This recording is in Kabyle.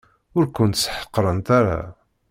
Ur kent-ssḥeqrent ara.